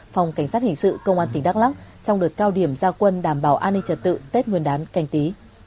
phòng cảnh sát hành sự công an tỉnh đắk lắk trong đợt cao điểm gia quân đảm bảo an ninh trật tự tết nguyên đán cành tý